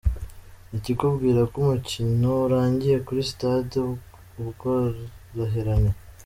Ikikubwira ko umukino urangiye kuri sitade Ubworoherane.